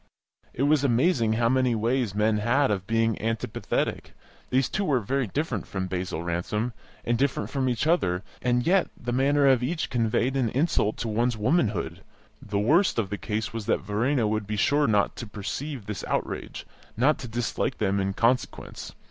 It was amazing how many ways men had of being antipathetic; these two were very different from Basil Ransom, and different from each other, and yet the manner of each conveyed an insult to one's womanhood. The worst of the case was that Verena would be sure not to perceive this outrage not to dislike them in consequence.